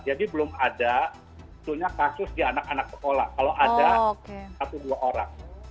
jadi belum ada kasus di anak anak sekolah kalau ada satu dua orang